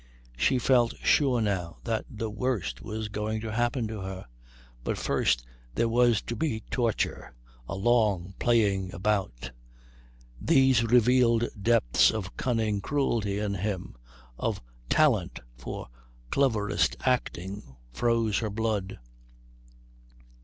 She felt sure now that the worst was going to happen to her; but first there was to be torture, a long playing about. These revealed depths of cunning cruelty in him, of talent for cleverest acting, froze her blood.